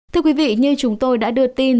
thưa quý vị như chúng tôi đã đưa tin